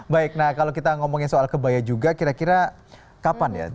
baik nah kalau kita ngomongin soal kebaya juga kira kira kapan ya